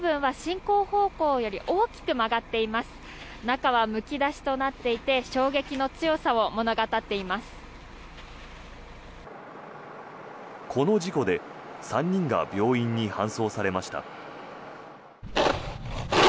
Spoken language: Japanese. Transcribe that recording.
この事故で３人が病院に搬送されました。